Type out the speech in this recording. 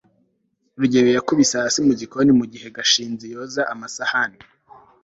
rugeyo yakubise hasi mu gikoni mugihe gashinzi yoza amasahani